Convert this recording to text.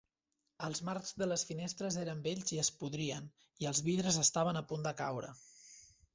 Els marcs de les finestres eren vells i es podrien i els vidres estaven a punt de caure.